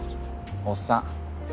おっさん。